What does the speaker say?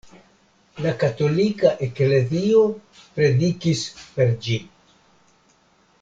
La katolika eklezio predikis per ĝi.